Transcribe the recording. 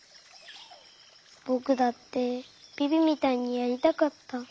ぼくだってビビみたいにやりたかった。